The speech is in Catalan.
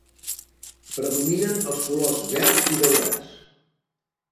Predominen els colors verds i daurats.